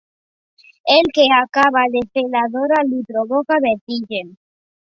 El que acaba de fer la Dora li provoca vertigen.